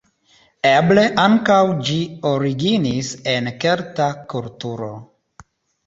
Eble ankaŭ ĝi originis en kelta kulturo.